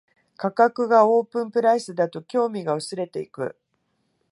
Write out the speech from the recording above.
価格がオープンプライスだと興味が薄れていく